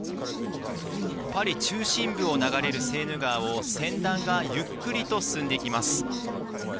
パリ中心部を流れるセーヌ川を船団がゆっくりと進んできます。